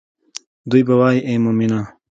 دوي به وائي اے مومنه!